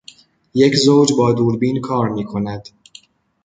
یک زوج با دوربین کار میکند.